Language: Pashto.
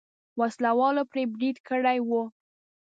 وسله والو پرې برید کړی و.